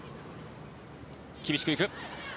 厳しく行く。